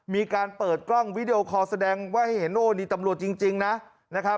มีการเปิดกล้องวิดีโอคอลแสดงว่าให้เห็นโอ้นี่ตำรวจจริงนะครับ